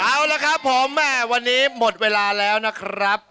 เอาละครับผมแม่วันนี้หมดเวลาแล้วนะครับ